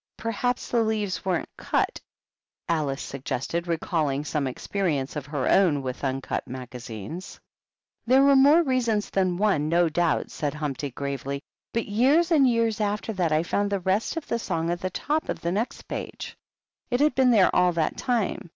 "Perhaps the leaves weren't cut," Alice sug gested, recalling some experience of her own with uncut magazines. 96 Ul'MPTY DUMPTY. " There were more reasons than one, no doubt," said Humpty, gravely. "But years and yean after that I found the rest of the song at the top of the next page ; it had been there all that time.